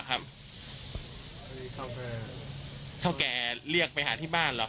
รู้มั้ยเรียกไปทำอะไร